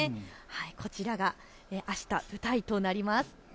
こちらがあした舞台となります。